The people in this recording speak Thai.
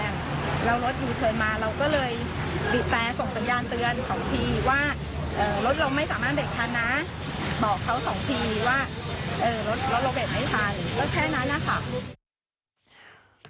บอกเขาสองทีว่าเอ่อรถเราลงเบ็ดไหมทันแล้วแค่นั้นนะคะ